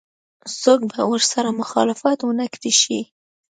څوک به ورسره مخالفت ونه کړای شي.